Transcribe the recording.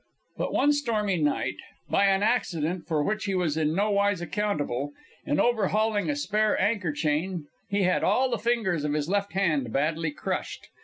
But one stormy night, by an accident for which he was in nowise accountable, in overhauling a spare anchor chain he had all the fingers of his left hand badly crushed.